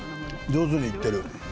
上手にいっている。